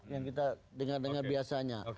yang kita dengar dengar biasanya